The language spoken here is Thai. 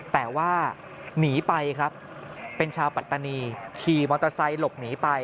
แต่ว่าหนีไปครับเป็นชาวปัตตานีขี่มอเตอร์ไซค์หลบหนีไป